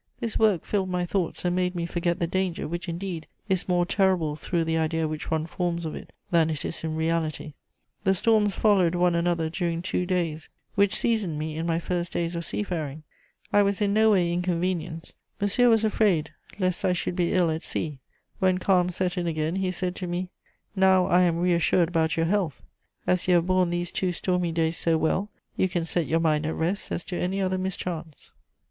This work filled my thoughts and made me forget the danger, which, indeed, is more terrible through the idea which one forms of it than it is in reality. The storms followed one another during two days, which seasoned me in my first days of sea faring; I was in no way inconvenienced. Monsieur was afraid lest I should be ill at sea; when calm set in again, he said to me: "'Now I am reassured about your health; as you have borne these two stormy days so well, you can set your mind at rest as to any other mischance.'